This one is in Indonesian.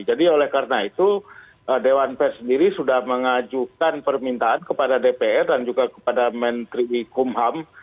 oleh karena itu dewan pers sendiri sudah mengajukan permintaan kepada dpr dan juga kepada menteri kumham